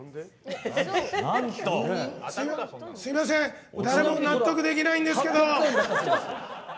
すみません誰も納得できないんですけど！